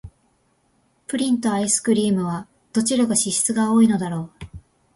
プリンとアイスクリームは、どちらが脂質が多いのだろう。